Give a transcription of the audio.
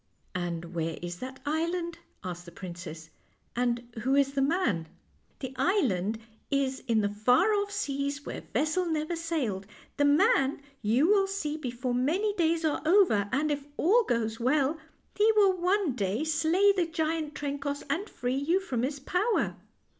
"And where is that island?' asked the princess, " and who is the man? "" The island is in the far off seas where vessel never sailed; the man you will see before many days are over; and if all goes well, he will one day slay the giant Trencoss, and free you from his power."